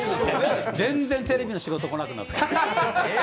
全然テレビの仕事来なくなった。